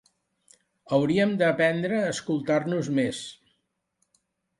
Hauríem d’aprendre a escoltar-nos més